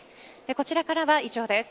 こちらからは以上です。